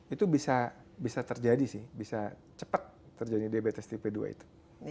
itu bisa terjadi sih bisa cepat terjadi diabetes tipe dua itu